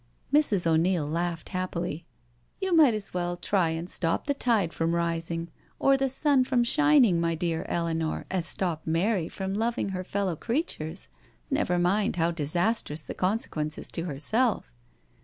Mrs. Q'Neil laughed happily. " You might as well try and stop the tide from rising, or the sun from shining, my dear Eleanor, as stop Mary from loving her fellow creatures — never mind how disastrous the consequences to herself."